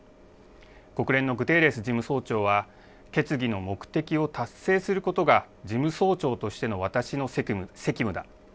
国連のグテーレス事務総長は、決議の目的を達成することが事務総長としての私の責務だ。